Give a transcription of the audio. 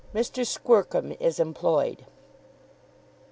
MR. SQUERCUM IS EMPLOYED.